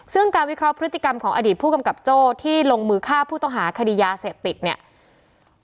ซึ่งการวิเคราะห์พฤติกรรมของอดีตผู้กำกับโจ้ที่ลงมือฆ่าผู้ต้องหาคดียาเสพติดเนี่ย